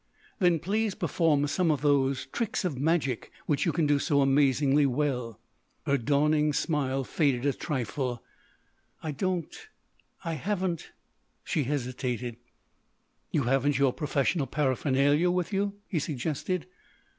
"Then please perform some of those tricks of magic which you can do so amazingly well." Her dawning smile faded a trifle. "I don't—I haven't——" She hesitated. "You haven't your professional paraphernalia with you," he suggested.